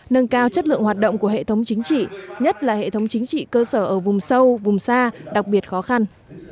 nâng cao chất lượng hoạt động của hệ thống chính trị nhất là hệ thống chính trị cơ sở ở vùng sâu vùng xa đặc biệt khó khăn